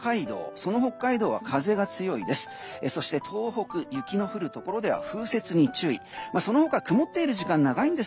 その北海道は風が強いです。